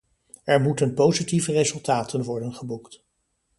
Er moeten positieve resultaten worden geboekt.